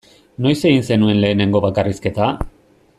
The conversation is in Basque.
Noiz egin zenuen lehenengo bakarrizketa?